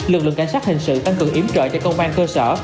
lực lượng cảnh sát hình sự tăng cường yểm trợ cho công an cơ sở